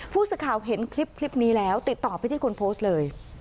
ผู้สื่อข่าวเห็นคลิปนี้แล้วติดต่อไปที่คนโพสต์เลย